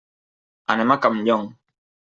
Anem a Campllong.